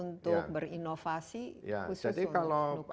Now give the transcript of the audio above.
untuk berinovasi khusus untuk luka